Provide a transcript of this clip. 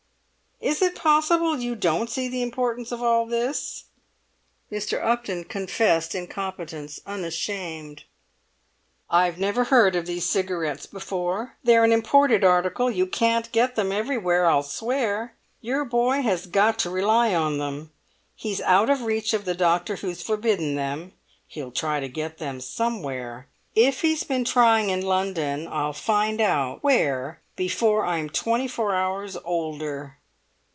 "Is it possible you don't see the importance of all this?" Mr. Upton confessed incompetence unashamed. "I never heard of these cigarettes before; they're an imported article; you can't get them everywhere, I'll swear! Your boy has got to rely on them; he's out of reach of the doctor who's forbidden them; he'll try to get them somewhere! If he's been trying in London, I'll find out where before I'm twenty four hours older!"